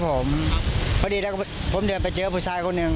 พอดีซักคนผมไปเจอผู้แท็กซี่